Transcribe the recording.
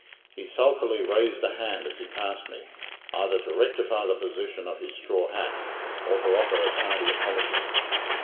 He sulkily raised a hand as he passed me, either to rectify the position of his straw hat, or to offer a tardy apology.